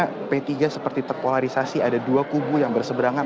karena p tiga seperti terpolarisasi ada dua kubu yang berseberangan